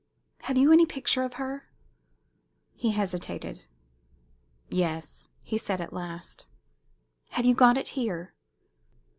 "Have you any picture of her?" He hesitated. "Yes," he said, at last. "Have you got it here?"